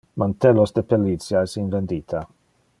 Mantellos de pellicia es in vendita.